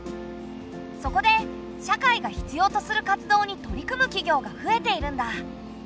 そこで社会が必要とする活動に取り組む企業が増えているんだ。